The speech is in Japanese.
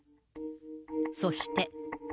そして。